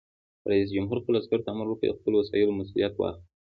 رئیس جمهور خپلو عسکرو ته امر وکړ؛ د خپلو وسایلو مسؤلیت واخلئ!